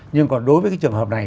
nhưng còn đối với cái trường hợp này